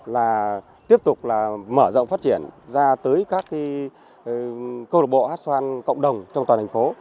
là tiếp tục mở rộng phát triển ra tới các cơ lộc bộ hát xoan cộng đồng trong toàn thành phố